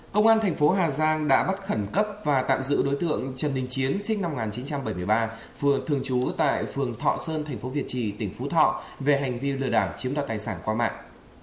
công an thành phố hà giang đã bắt khẩn cấp và tạm giữ đối tượng trần đình chiến sinh năm một nghìn chín trăm bảy mươi ba vừa thường trú tại phường thọ sơn thành phố việt trì tỉnh phú thọ về hành vi lừa đảo chiếm đoạt tài sản qua mạng